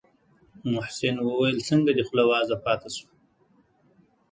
محسن وويل څنگه دې خوله وازه پاته شوه.